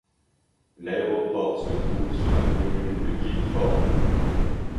L'aéroport se trouve sur la commune de Guildford.